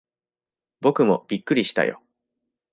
僕もびっくりしたよ。